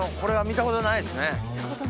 見たことないです。